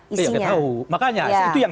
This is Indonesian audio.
isinya ya nggak tahu makanya ya itu yang